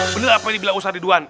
bener apa ini bilang ustaz ridwan